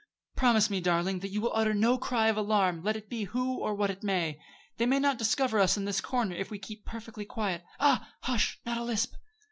Promise me, darling, that you will utter no cry of alarm, let it be who or what it may. They may not discover us in this corner if we keep perfectly quiet. Ah! Hush! Not a lisp!"